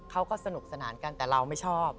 เขาก็สนุกสนานกันแต่เราไม่ชอบ